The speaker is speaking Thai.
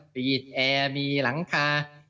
อีดแอร์มีหลังคา